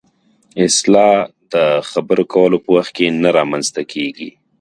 اصطلاح د خبرو کولو په وخت کې نه رامنځته کېږي